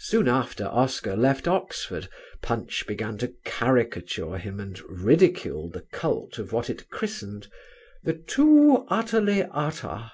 Soon after Oscar left Oxford Punch began to caricature him and ridicule the cult of what it christened "The Too Utterly Utter."